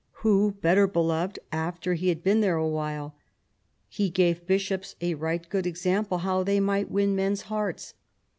Who better beloved after he had been there a while 1 He gave bishops a right good example how they might win men's hearts.